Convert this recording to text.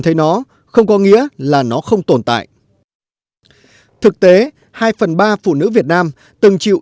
thấy nó không có nghĩa là nó không tồn tại thực tế hai phần ba phụ nữ việt nam từng chịu